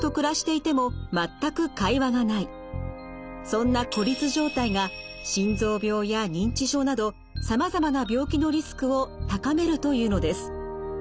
そんな孤立状態が心臓病や認知症などさまざまな病気のリスクを高めるというのです。